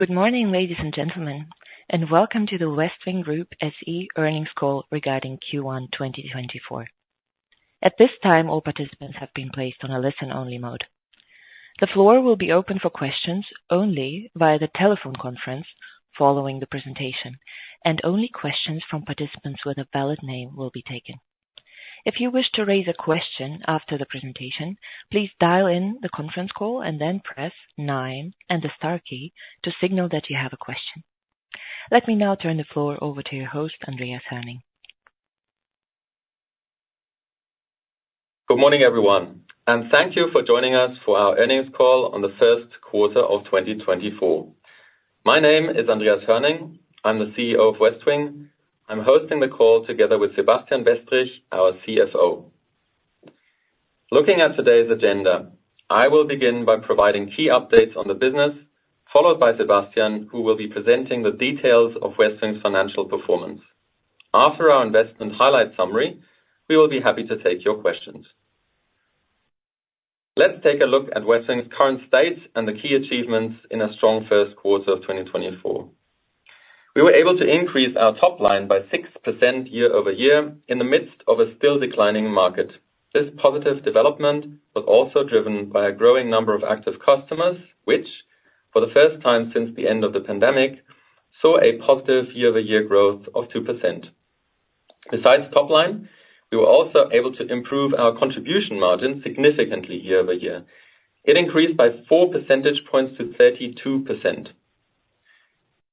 Good morning, ladies and gentlemen, and welcome to the Westwing Group SE earnings call regarding Q1 2024. At this time, all participants have been placed on a listen-only mode. The floor will be open for questions only via the telephone conference following the presentation, and only questions from participants with a valid name will be taken. If you wish to raise a question after the presentation, please dial in the conference call and then press nine and the star key to signal that you have a question. Let me now turn the floor over to your host, Andreas Hoerning. Good morning, everyone, and thank you for joining us for our earnings call on the first quarter of 2024. My name is Andreas Hoerning, I'm the CEO of Westwing, I'm hosting the call together with Sebastian Westrich, our CFO. Looking at today's agenda, I will begin by providing key updates on the business, followed by Sebastian, who will be presenting the details of Westwing's financial performance. After our investment highlight summary, we will be happy to take your questions. Let's take a look at Westwing's current state and the key achievements in a strong first quarter of 2024. We were able to increase our top line by 6% year-over-year in the midst of a still declining market. This positive development was also driven by a growing number of active customers, which, for the first time since the end of the pandemic, saw a positive year-over-year growth of 2%. Besides top line, we were also able to improve our contribution margin significantly year-over-year. It increased by four percentage points to 32%.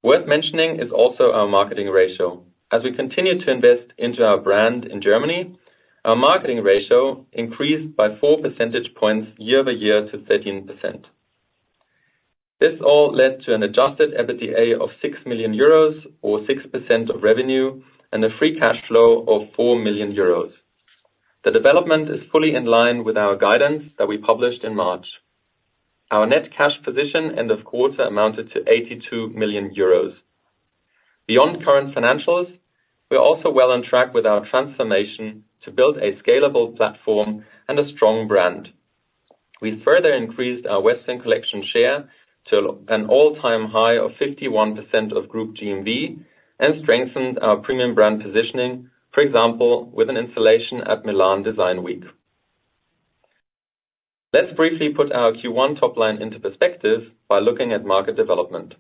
Worth mentioning is also our marketing ratio. As we continue to invest into our brand in Germany, our marketing ratio increased by four percentage points year-over-year to 13%. This all led to an adjusted EBITDA of 6 million euros, or 6% of revenue, and a free cash flow of 4 million euros. The development is fully in line with our guidance that we published in March. Our net cash position, end of quarter, amounted to 82 million euros. Beyond current financials, we're also well on track with our transformation to build a scalable platform and a strong brand. We further increased our Westwing Collection share to an all-time high of 51% of Group GMV and strengthened our premium brand positioning, for example, with an installation at Milan Design Week. Let's briefly put our Q1 top line into perspective by looking at market development.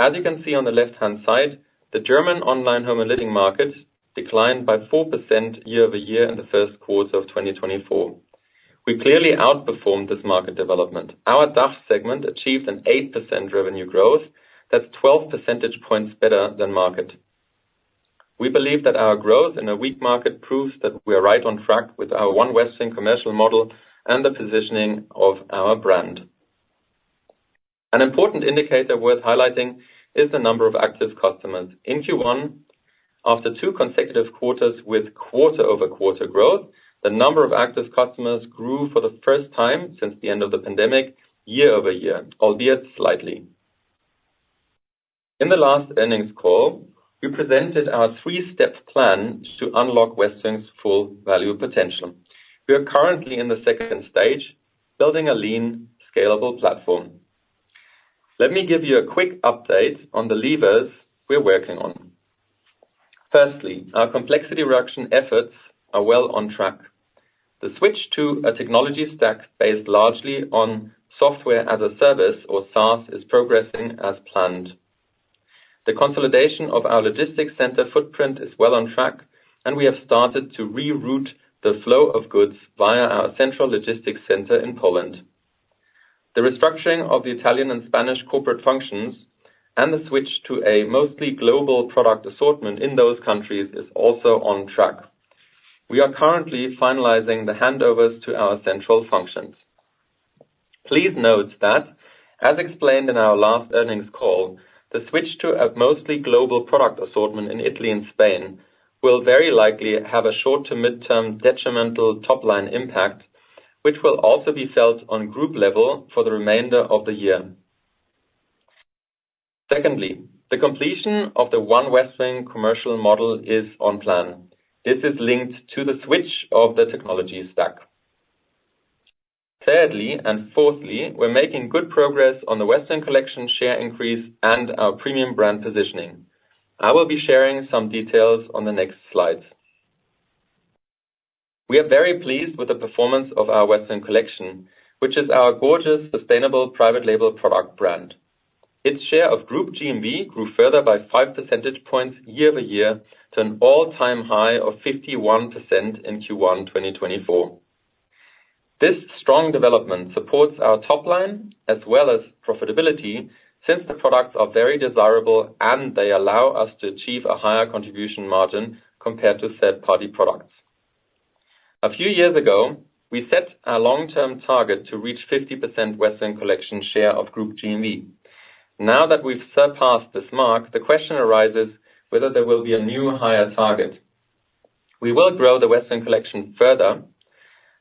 As you can see on the left-hand side, the German online home and living market declined by 4% year-over-year in the first quarter of 2024. We clearly outperformed this market development. Our DACH segment achieved an 8% revenue growth. That's 12 percentage points better than market. We believe that our growth in a weak market proves that we are right on track with our One Westwing commercial model and the positioning of our brand. An important indicator worth highlighting is the number of active customers in Q1. After two consecutive quarters with quarter-over-quarter growth, the number of active customers grew for the first time since the end of the pandemic year-over-year, albeit slightly. In the last earnings call, we presented our three-step plan to unlock Westwing's full value potential. We are currently in the second stage, building a lean, scalable platform. Let me give you a quick update on the levers we're working on. Firstly, our complexity reduction efforts are well on track. The switch to a technology stack based largely on software as a service, or SaaS, is progressing as planned. The consolidation of our logistics center footprint is well on track, and we have started to reroute the flow of goods via our central logistics center in Poland. The restructuring of the Italian and Spanish corporate functions and the switch to a mostly global product assortment in those countries is also on track. We are currently finalizing the handovers to our central functions. Please note that, as explained in our last earnings call, the switch to a mostly global product assortment in Italy and Spain will very likely have a short to midterm detrimental top line impact, which will also be felt on group level for the remainder of the year. Secondly, the completion of the One Westwing commercial model is on plan. This is linked to the switch of the technology stack. Thirdly and fourthly, we're making good progress on the Westwing Collection share increase and our premium brand positioning. I will be sharing some details on the next slides. We are very pleased with the performance of our Westwing Collection, which is our gorgeous, sustainable private label product brand. Its share of Group GMV grew further by five percentage points year-over-year to an all-time high of 51% in Q1 2024. This strong development supports our top line as well as profitability since the products are very desirable and they allow us to achieve a higher contribution margin compared to third-party products. A few years ago, we set a long-term target to reach 50% Westwing Collection share of Group GMV. Now that we've surpassed this mark, the question arises whether there will be a new higher target. We will grow the Westwing Collection further,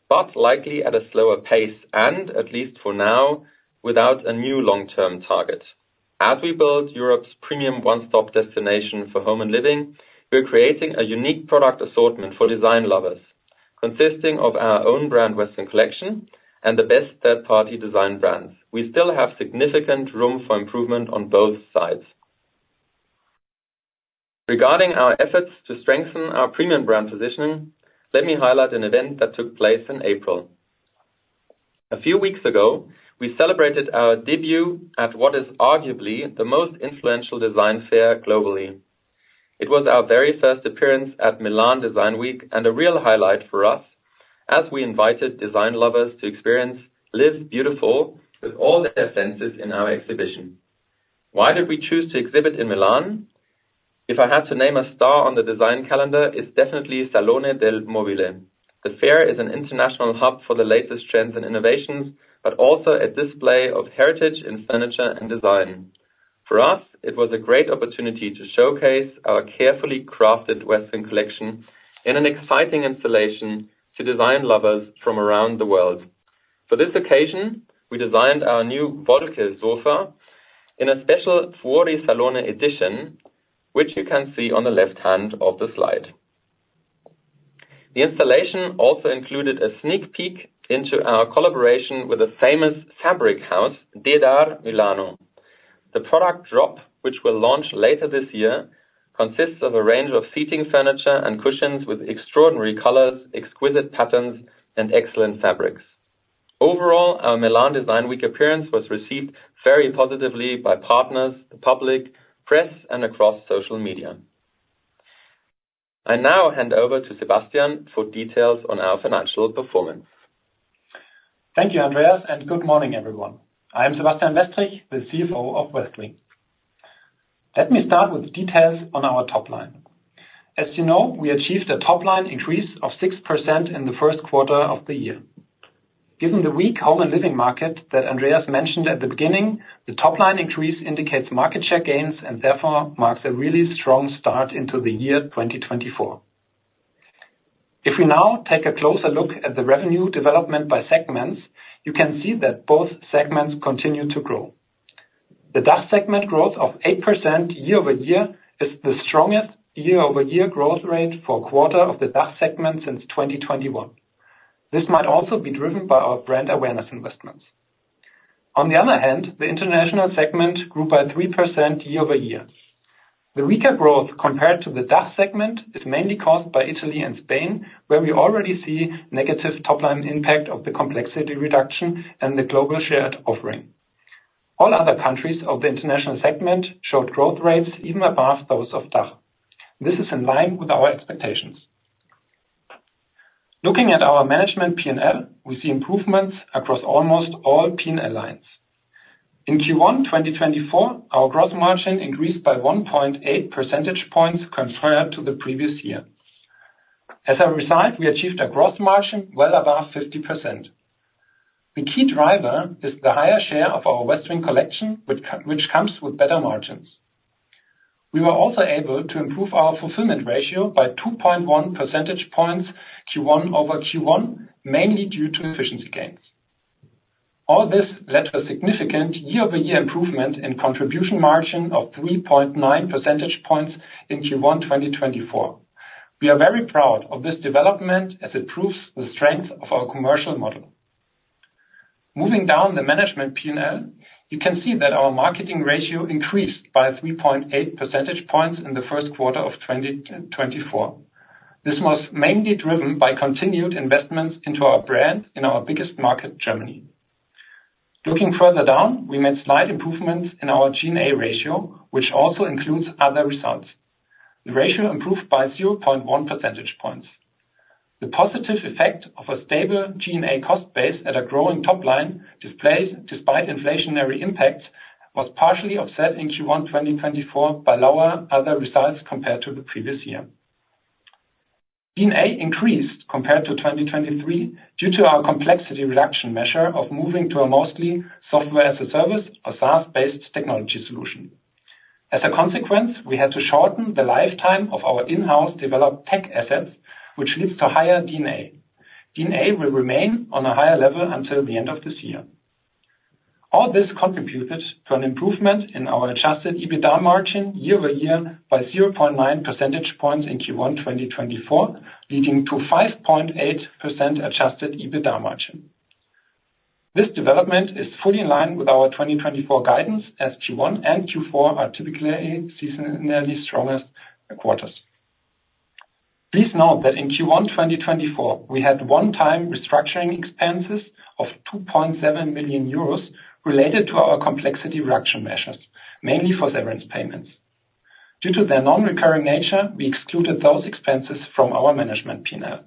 but likely at a slower pace and, at least for now, without a new long-term target. As we build Europe's premium one-stop destination for home and living, we're creating a unique product assortment for design lovers consisting of our own brand Westwing Collection and the best third-party design brands. We still have significant room for improvement on both sides. Regarding our efforts to strengthen our premium brand positioning, let me highlight an event that took place in April. A few weeks ago, we celebrated our debut at what is arguably the most influential design fair globally. It was our very first appearance at Milan Design Week and a real highlight for us as we invited design lovers to experience "Live Beautiful" with all their senses in our exhibition. Why did we choose to exhibit in Milan? If I had to name a star on the design calendar, it's definitely Salone del Mobile. The fair is an international hub for the latest trends and innovations, but also a display of heritage in furniture and design. For us, it was a great opportunity to showcase our carefully crafted Westwing Collection in an exciting installation to design lovers from around the world. For this occasion, we designed our new Wolke Sofa in a special Fuorisalone edition, which you can see on the left hand of the slide. The installation also included a sneak peek into our collaboration with the famous fabric house Dedar Milano. The product drop, which will launch later this year, consists of a range of seating furniture and cushions with extraordinary colors, exquisite patterns, and excellent fabrics. Overall, our Milan Design Week appearance was received very positively by partners, the public, press, and across social media. I now hand over to Sebastian for details on our financial performance. Thank you, Andreas, and good morning, everyone. I am Sebastian Westrich, the CFO of Westwing. Let me start with details on our top line. As you know, we achieved a top line increase of 6% in the first quarter of the year. Given the weak home and living market that Andreas mentioned at the beginning, the top line increase indicates market share gains and therefore marks a really strong start into the year 2024. If we now take a closer look at the revenue development by segments, you can see that both segments continue to grow. The DACH segment growth of 8% year-over-year is the strongest year-over-year growth rate for a quarter of the DACH segment since 2021. This might also be driven by our brand awareness investments. On the other hand, the international segment grew by 3% year-over-year. The weaker growth compared to the DACH segment is mainly caused by Italy and Spain, where we already see a negative top line impact of the complexity reduction and the global share offering. All other countries of the international segment showed growth rates even above those of DACH. This is in line with our expectations. Looking at our management P&L, we see improvements across almost all P&L lines. In Q1 2024, our gross margin increased by 1.8 percentage points compared to the previous year. As a result, we achieved a gross margin well above 50%. The key driver is the higher share of our Westwing Collection, which comes with better margins. We were also able to improve our fulfillment ratio by 2.1 percentage points Q1-over-Q1, mainly due to efficiency gains. All this led to a significant year-over-year improvement in contribution margin of 3.9 percentage points in Q1 2024. We are very proud of this development as it proves the strength of our commercial model. Moving down the management P&L, you can see that our marketing ratio increased by 3.8 percentage points in the first quarter of 2024. This was mainly driven by continued investments into our brand in our biggest market, Germany. Looking further down, we made slight improvements in our G&A ratio, which also includes other results. The ratio improved by 0.1 percentage points. The positive effect of a stable G&A cost base at a growing top line displayed despite inflationary impacts was partially offset in Q1 2024 by lower other results compared to the previous year. G&A increased compared to 2023 due to our complexity reduction measure of moving to a mostly software as a service, or SaaS-based technology solution. As a consequence, we had to shorten the lifetime of our in-house developed tech assets, which leads to higher D&A. D&A will remain on a higher level until the end of this year. All this contributed to an improvement in our adjusted EBITDA margin year-over-year by 0.9 percentage points in Q1 2024, leading to 5.8% adjusted EBITDA margin. This development is fully in line with our 2024 guidance as Q1 and Q4 are typically seasonally strongest quarters. Please note that in Q1 2024, we had one-time restructuring expenses of 2.7 million euros related to our complexity reduction measures, mainly for severance payments. Due to their non-recurring nature, we excluded those expenses from our management P&L.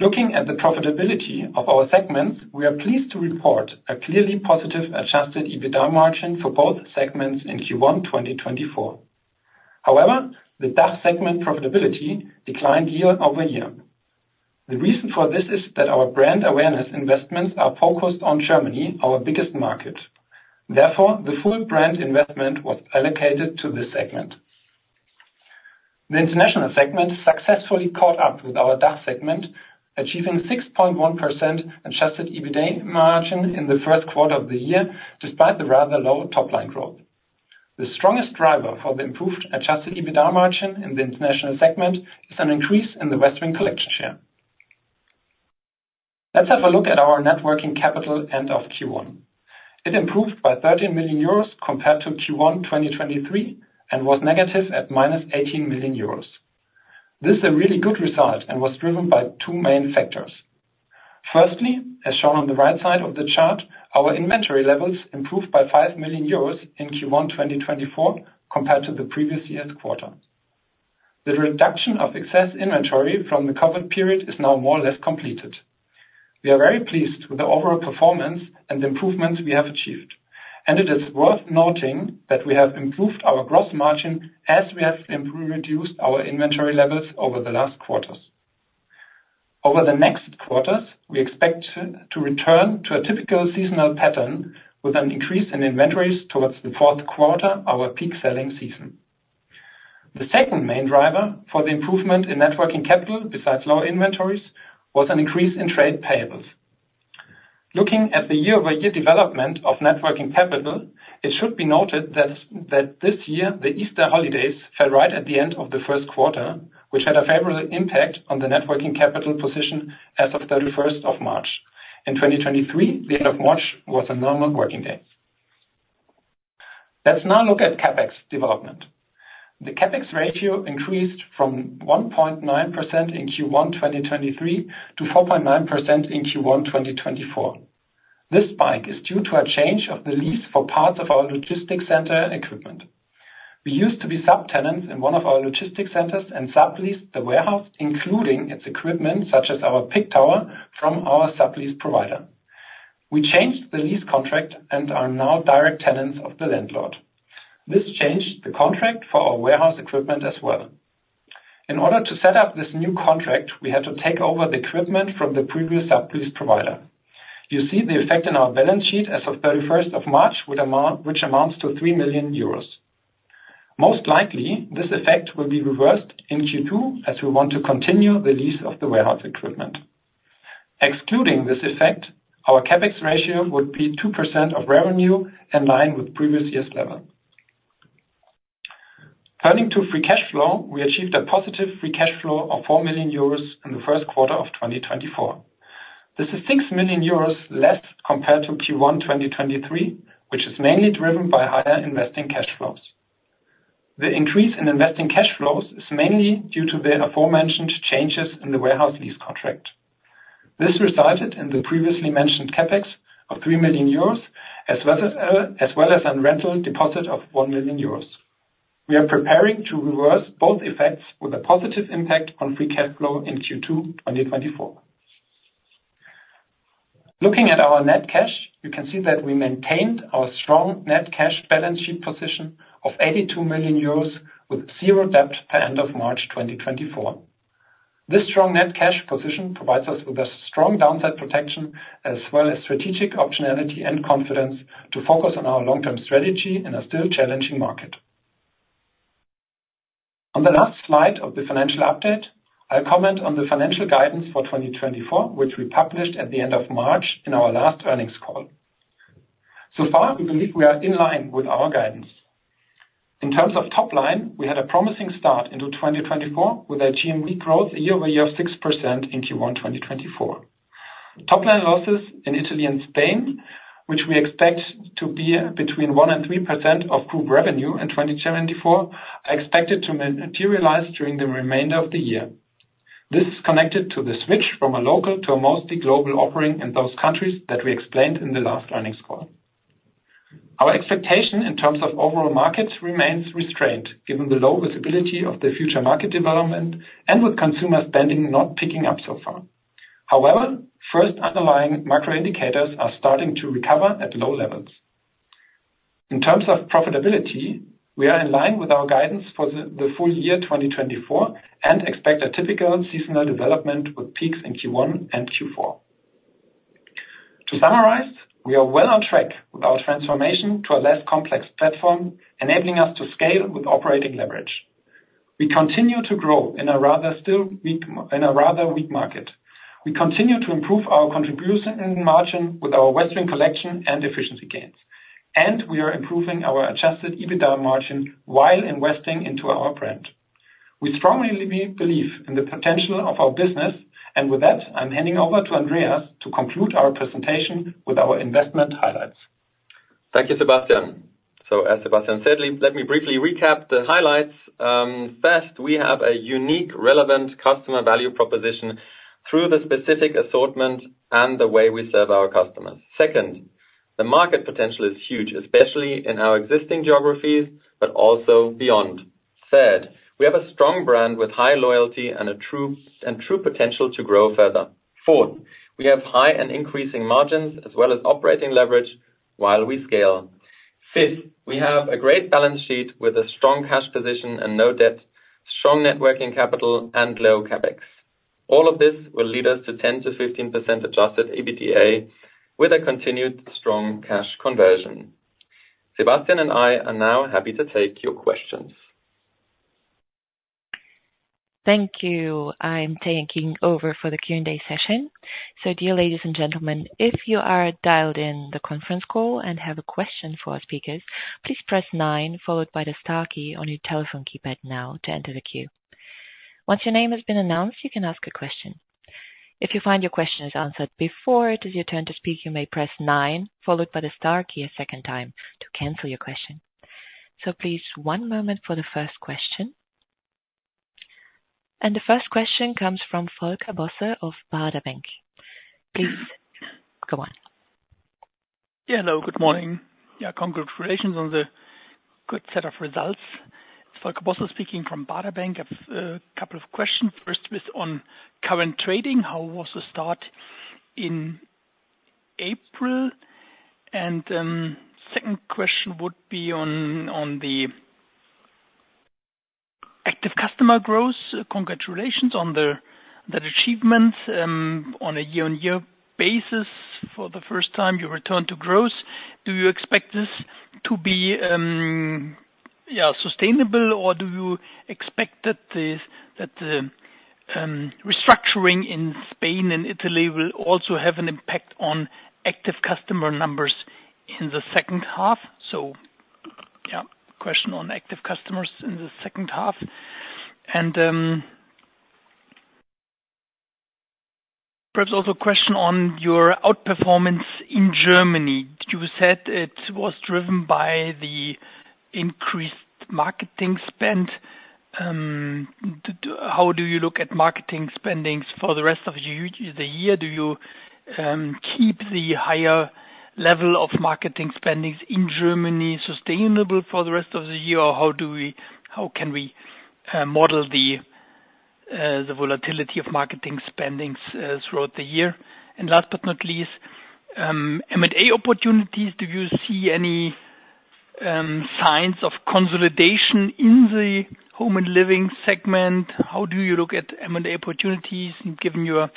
Looking at the profitability of our segments, we are pleased to report a clearly positive adjusted EBITDA margin for both segments in Q1 2024. However, the DACH segment profitability declined year-over-year. The reason for this is that our brand awareness investments are focused on Germany, our biggest market. Therefore, the full brand investment was allocated to this segment. The international segment successfully caught up with our DACH segment, achieving 6.1% adjusted EBITDA margin in the first quarter of the year despite the rather low top line growth. The strongest driver for the improved adjusted EBITDA margin in the international segment is an increase in the Westwing Collection share. Let's have a look at our net working capital end of Q1. It improved by 13 million euros compared to Q1 2023 and was negative at -18 million euros. This is a really good result and was driven by two main factors. Firstly, as shown on the right side of the chart, our inventory levels improved by 5 million euros in Q1 2024 compared to the previous year's quarter. The reduction of excess inventory from the COVID period is now more or less completed. We are very pleased with the overall performance and the improvements we have achieved. It is worth noting that we have improved our gross margin as we have reduced our inventory levels over the last quarters. Over the next quarters, we expect to return to a typical seasonal pattern with an increase in inventories towards the fourth quarter, our peak selling season. The second main driver for the improvement in net working capital, besides lower inventories, was an increase in trade payables. Looking at the year-over-year development of net working capital, it should be noted that this year, the Easter holidays fell right at the end of the first quarter, which had a favorable impact on the net working capital position as of 31st of March. In 2023, the end of March was a normal working day. Let's now look at CapEx development. The CapEx ratio increased from 1.9% in Q1 2023 to 4.9% in Q1 2024. This spike is due to a change of the lease for parts of our logistics center equipment. We used to be subtenants in one of our logistics centers and subleased the warehouse, including its equipment such as our pick tower from our sublease provider. We changed the lease contract and are now direct tenants of the landlord. This changed the contract for our warehouse equipment as well. In order to set up this new contract, we had to take over the equipment from the previous sublease provider. You see the effect in our balance sheet as of 31st of March, which amounts to 3 million euros. Most likely, this effect will be reversed in Q2 as we want to continue the lease of the warehouse equipment. Excluding this effect, our CapEx ratio would be 2% of revenue in line with previous year's level. Turning to free cash flow, we achieved a positive free cash flow of 4 million euros in the first quarter of 2024. This is 6 million euros less compared to Q1 2023, which is mainly driven by higher investing cash flows. The increase in investing cash flows is mainly due to the aforementioned changes in the warehouse lease contract. This resulted in the previously mentioned CapEx of 3 million euros as well as a rental deposit of 1 million euros. We are preparing to reverse both effects with a positive impact on free cash flow in Q2 2024. Looking at our net cash, you can see that we maintained our strong net cash balance sheet position of 82 million euros with zero debt per end of March 2024. This strong net cash position provides us with a strong downside protection as well as strategic optionality and confidence to focus on our long-term strategy in a still challenging market. On the last slide of the financial update, I'll comment on the financial guidance for 2024, which we published at the end of March in our last earnings call. So far, we believe we are in line with our guidance. In terms of top line, we had a promising start into 2024 with our GMV growth year-over-year of 6% in Q1 2024. Top line losses in Italy and Spain, which we expect to be between 1%-3% of group revenue in 2024, are expected to materialize during the remainder of the year. This is connected to the switch from a local to a mostly global offering in those countries that we explained in the last earnings call. Our expectation in terms of overall markets remains restrained given the low visibility of the future market development and with consumer spending not picking up so far. However, first underlying macro indicators are starting to recover at low levels. In terms of profitability, we are in line with our guidance for the full year 2024 and expect a typical seasonal development with peaks in Q1 and Q4. To summarize, we are well on track with our transformation to a less complex platform, enabling us to scale with operating leverage. We continue to grow in a rather weak market. We continue to improve our contribution margin with our Westwing Collection and efficiency gains. And we are improving our adjusted EBITDA margin while investing into our brand. We strongly believe in the potential of our business. And with that, I'm handing over to Andreas to conclude our presentation with our investment highlights. Thank you, Sebastian. As Sebastian said, let me briefly recap the highlights. First, we have a unique, relevant customer value proposition through the specific assortment and the way we serve our customers. Second, the market potential is huge, especially in our existing geographies, but also beyond. Third, we have a strong brand with high loyalty and a true potential to grow further. Fourth, we have high and increasing margins as well as operating leverage while we scale. Fifth, we have a great balance sheet with a strong cash position and no debt, strong net working capital, and low CapEx. All of this will lead us to 10%-15% adjusted EBITDA with a continued strong cash conversion. Sebastian and I are now happy to take your questions. Thank you. I'm taking over for the Q&A session. Dear ladies and gentlemen, if you are dialed in the conference call and have a question for our speakers, please press nine followed by the star key on your telephone keypad now to enter the queue. Once your name has been announced, you can ask a question. If you find your question is answered before it is your turn to speak, you may press nine followed by the star key a second time to cancel your question. Please, one moment for the first question. The first question comes from Volker Bosse of Baader Bank. Please go on. Yeah, hello. Good morning. Yeah, congratulations on the good set of results. It's Volker Bosse speaking from Baader Bank. I have a couple of questions. First is on current trading. How was the start in April? And the second question would be on the active customer growth. Congratulations on that achievement. On a year-on-year basis, for the first time, you returned to growth. Do you expect this to be sustainable, or do you expect that the restructuring in Spain and Italy will also have an impact on active customer numbers in the second half? So yeah, question on active customers in the second half. And perhaps also a question on your outperformance in Germany. You said it was driven by the increased marketing spend. How do you look at marketing spendings for the rest of the year? Do you keep the higher level of marketing spending in Germany sustainable for the rest of the year, or how can we model the volatility of marketing spending throughout the year? And last but not least, M&A opportunities, do you see any signs of consolidation in the home and living segment? How do you look at M&A opportunities? Given your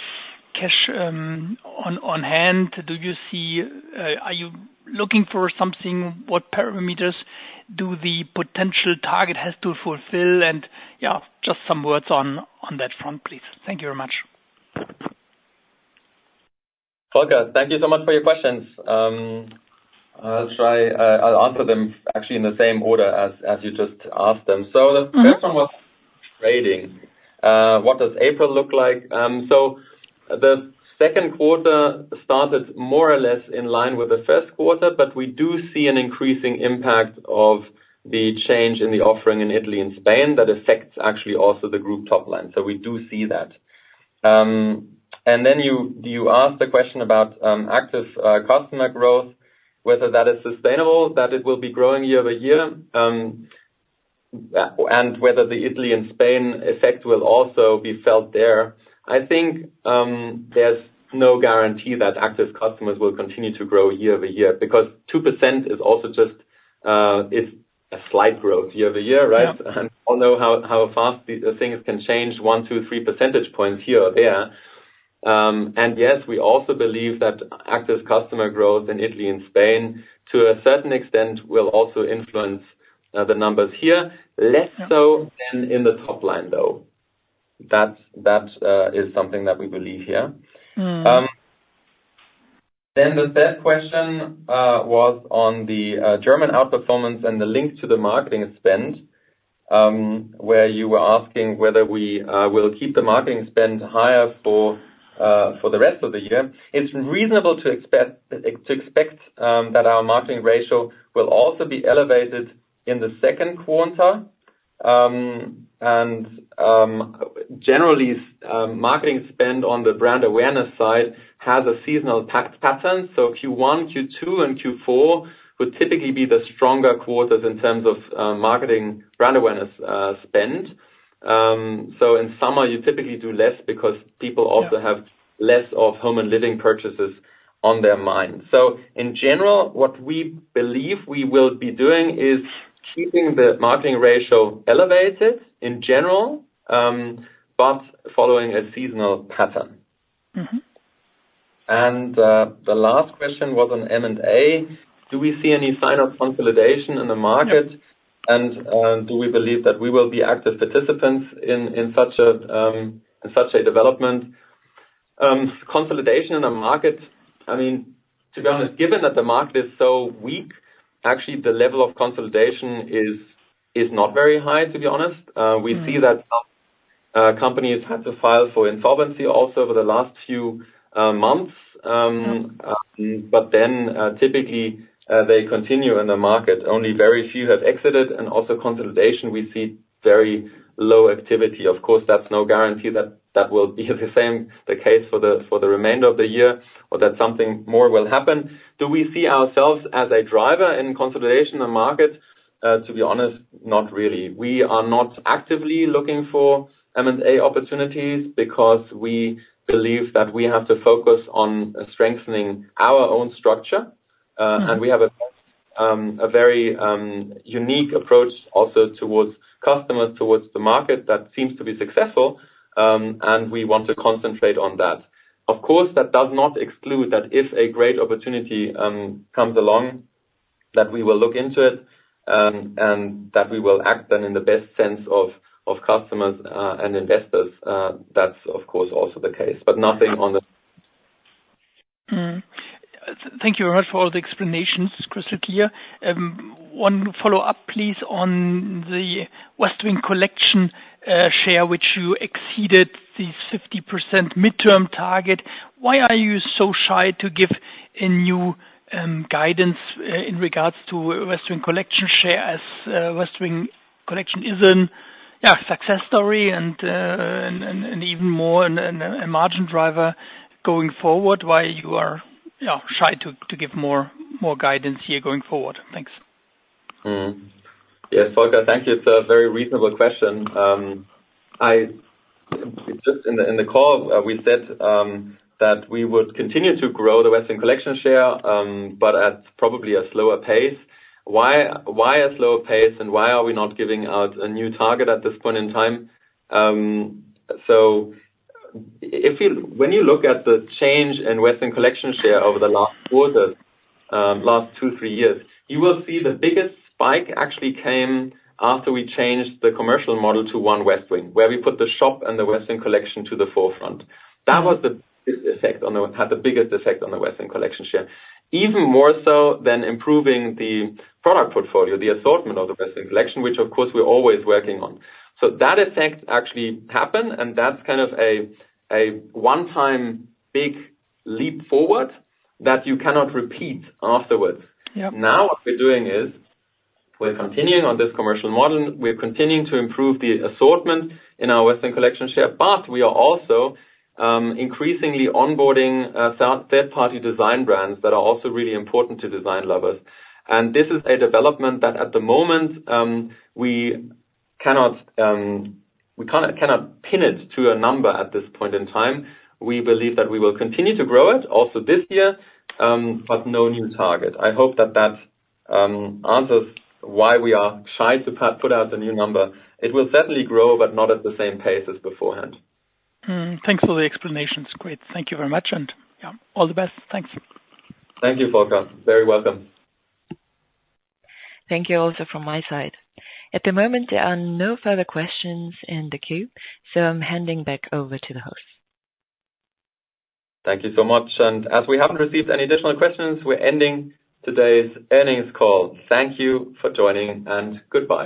cash on hand, are you looking for something? What parameters do the potential target have to fulfill? And yeah, just some words on that front, please. Thank you very much. Volker, thank you so much for your questions. I'll answer them actually in the same order as you just asked them. So the first one was trading. What does April look like? So the second quarter started more or less in line with the first quarter, but we do see an increasing impact of the change in the offering in Italy and Spain that affects actually also the group top line. So we do see that. And then you asked a question about active customer growth, whether that is sustainable, that it will be growing year-over-year, and whether the Italy and Spain effect will also be felt there. I think there's no guarantee that active customers will continue to grow year-over-year because 2% is also just a slight growth year-over-year, right? We all know how fast things can change, one, two, three percentage points here or there. Yes, we also believe that active customer growth in Italy and Spain, to a certain extent, will also influence the numbers here, less so than in the top line, though. That is something that we believe here. Then the third question was on the German outperformance and the link to the marketing spend, where you were asking whether we will keep the marketing spend higher for the rest of the year. It's reasonable to expect that our marketing ratio will also be elevated in the second quarter. And generally, marketing spend on the brand awareness side has a seasonal pattern. So Q1, Q2, and Q4 would typically be the stronger quarters in terms of marketing brand awareness spend. So in summer, you typically do less because people also have less of home and living purchases on their mind. In general, what we believe we will be doing is keeping the marketing ratio elevated in general, but following a seasonal pattern. The last question was on M&A. Do we see any sign of consolidation in the market? And do we believe that we will be active participants in such a development? Consolidation in a market, I mean, to be honest, given that the market is so weak, actually, the level of consolidation is not very high, to be honest. We see that some companies had to file for insolvency also over the last few months. But then typically, they continue in the market. Only very few have exited. And also consolidation, we see very low activity. Of course, that's no guarantee that it will be the same case for the remainder of the year or that something more will happen. Do we see ourselves as a driver in consolidation in the market? To be honest, not really. We are not actively looking for M&A opportunities because we believe that we have to focus on strengthening our own structure. And we have a very unique approach also towards customers, towards the market that seems to be successful. And we want to concentrate on that. Of course, that does not exclude that if a great opportunity comes along, that we will look into it and that we will act then in the best sense of customers and investors. That's, of course, also the case, but nothing on the. Thank you very much for all the explanations, crystal clear. One follow-up, please, on the Westwing Collection share, which you exceeded this 50% midterm target. Why are you so shy to give a new guidance in regards to Westwing Collection share as Westwing Collection is a success story and even more a margin driver going forward? Why are you shy to give more guidance here going forward? Thanks. Yes, Volker, thank you. It's a very reasonable question. Just in the call, we said that we would continue to grow the Westwing Collection share, but at probably a slower pace. Why a slower pace, and why are we not giving out a new target at this point in time? So when you look at the change in Westwing Collection share over the last quarter, last two, three years, you will see the biggest spike actually came after we changed the commercial model to One Westwing, where we put the shop and the Westwing Collection to the forefront. That was the biggest effect on the had the biggest effect on the Westwing Collection share, even more so than improving the product portfolio, the assortment of the Westwing Collection, which, of course, we're always working on. So that effect actually happened. And that's kind of a one-time big leap forward that you cannot repeat afterwards. Now what we're doing is we're continuing on this commercial model. We're continuing to improve the assortment in our Westwing Collection share, but we are also increasingly onboarding third-party design brands that are also really important to design lovers. And this is a development that at the moment, we cannot pin it to a number at this point in time. We believe that we will continue to grow it also this year, but no new target. I hope that that answers why we are shy to put out a new number. It will certainly grow, but not at the same pace as beforehand. Thanks for the explanations. Great. Thank you very much. And yeah, all the best. Thanks. Thank you, Volker. Very welcome. Thank you also from my side. At the moment, there are no further questions in the queue, so I'm handing back over to the host. Thank you so much. As we haven't received any additional questions, we're ending today's earnings call. Thank you for joining, and goodbye.